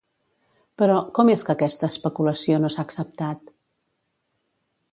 Però, com és que aquesta especulació no s'ha acceptat?